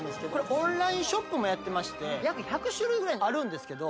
オンラインショップもやってまして約１００種類ぐらいあるんですけど